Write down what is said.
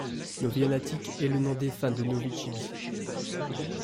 Novianatic est le nom des fans de Novi ChiBi.